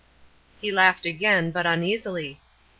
He laughed again, but uneasily.